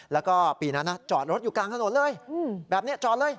แล้วก็ปีนั้นจอดรถอยู่กลางถนนเลยแบบนี้จอดเลย